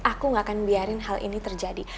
aku gak akan biarin hal ini terjadi